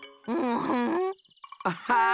アッハー。